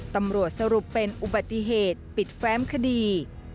ตำรวจสรุปเป็นอุบัติเหตุปิดแฟ้มคดี